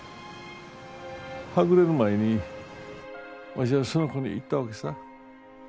はぐれる前にわしはその子に言ったわけさ。